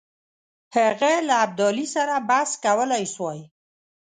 هغه له ابدالي سره بحث کولای سوای.